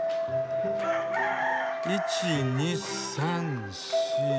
１２３４５